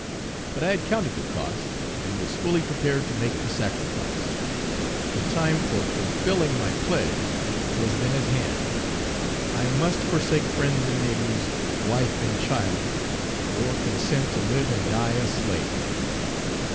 But I had counted the cost, and was fully prepared to make the sacrifice. The time for fulfilling my pledge was then at hand. I must forsake friends and neighbors, wife and child, or consent to live and die a slave.